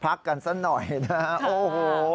พักกันสักหน่อยนะโอ้โห